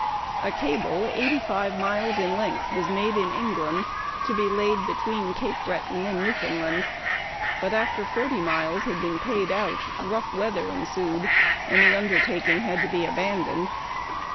A cable eighty five miles in length was made in England, to be laid between Cape Breton and Newfoundland; but after forty miles had been paid out, rough weather ensued, and the undertaking had to be abandoned.